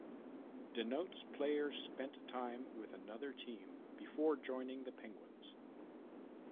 Denotes player spent time with another team before joining the Penguins.